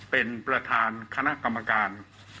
เป็นประธานคณะกรรมการ